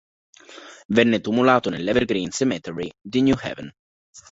Venne tumulato nell'Evergreen Cemetery di New Haven.